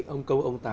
ông câu ông táo